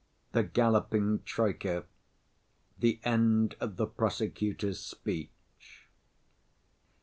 The Galloping Troika. The End Of The Prosecutor's Speech.